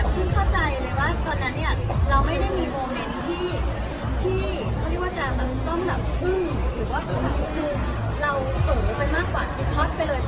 แล้วคืออย่างที่วันนี้คือโดที้แมนอ่ะจะเตรียมงานและเตรียมโพลน